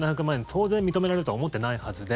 当然、認められるとは思ってないはずで。